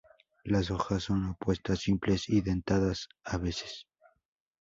Las hojas son opuestas, simples, y dentadas a veces.